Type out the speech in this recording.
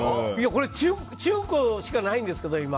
これ、中古しかないんですけど今。